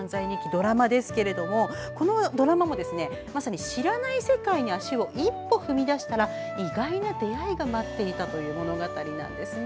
ドラマですけど、このドラマもまさに知らない世界に足を一歩踏み出したら意外な出会いが待っていたという物語です。